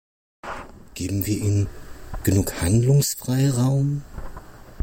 Geben wir Ihnen genug Handlungsfreiraum?